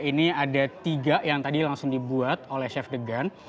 ini ada tiga yang tadi langsung dibuat oleh chef degan